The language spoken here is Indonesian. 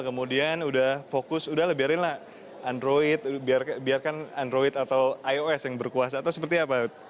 kemudian sudah fokus sudah lah biarkan lah android biarkan android atau ios yang berkuasa atau seperti apa